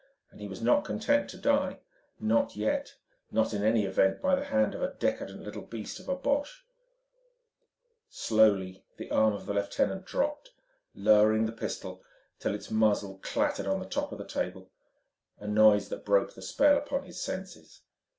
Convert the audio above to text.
And he was not content to die, not yet, not in any event by the hand of a decadent little beast of a Boche. Slowly the arm of the lieutenant dropped, lowering the pistol till its muzzle chattered on the top of the table: a noise that broke the spell upon his senses.